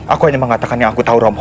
aku hanya mengatakan yang aku tahu romo